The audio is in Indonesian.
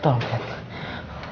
tolong dengerin saya